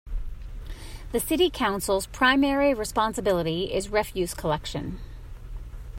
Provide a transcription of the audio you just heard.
The city council's primary responsibility is refuse collection.